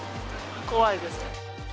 怖いです。